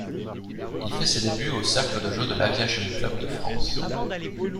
Il fait ses débuts au cercle de jeu de l'Aviation Club de France.